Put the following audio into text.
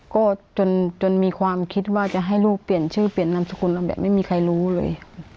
ก็จนมีความคิดว่าจะให้ลูกเปลี่ยนชื่อเปลี่ยนนามสกุลเราแบบไม่มีใครรู้เลย